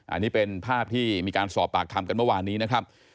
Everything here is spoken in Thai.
อันนี้เป็นภาพที่มีการสอบปากคำกันเมื่อวานนี้นะครับ